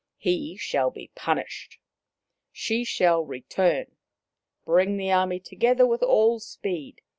He shall be punished. She shall re turn. Bring the army together with all speed.